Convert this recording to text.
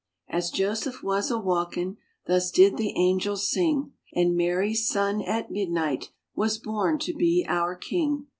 As Joseph was a waukin', Thus did the angel sing, And Mary's son at midnight Was born to be our King.